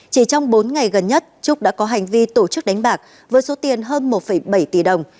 chỉ trong bốn ngày gần nhất trúc đã có hành vi tổ chức đánh bạc với số tiền hơn một bảy tỷ đồng